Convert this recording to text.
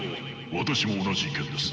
私も同じ意見です。